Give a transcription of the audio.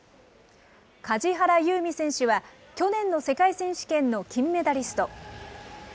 梶原悠未選手は、去年の世界選手権の金メダリスト。